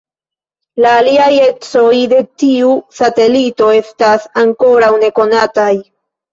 La aliaj ecoj de tiu satelito estas ankoraŭ nekonataj.